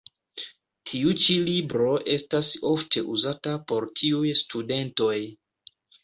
Tiu ĉi libro estas ofte uzata por tiuj studentoj.